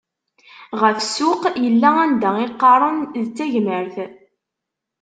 Ɣef ssuq, yella anda iqqaren d tagmert.